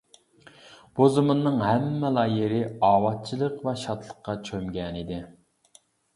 بۇ زېمىننىڭ ھەممىلا يېرى ئاۋاتچىلىق ۋە شادلىققا چۆمگەنىدى.